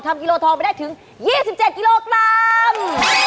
กิโลทองไปได้ถึง๒๗กิโลกรัม